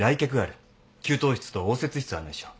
給湯室と応接室を案内しよう。